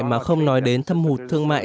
mà không nói đến thâm hụt thương mại